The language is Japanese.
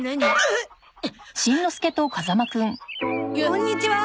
こんにちは。